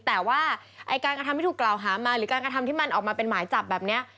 แต่ว่าไอ้การกระทำที่ถูกกล่าวหามาหรือการกระทำที่มันออกมาเป็นหมายจับแบบนี้